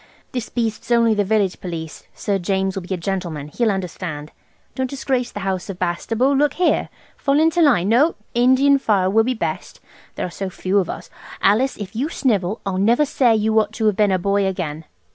This beast's only the village police. Sir James will be a gentleman. He'll understand. Don't disgrace the house of Bastable. Look here! Fall into line–no, Indian file will be best, there are so few of us. Alice, if you snivel I'll never say you ought to have been a boy again.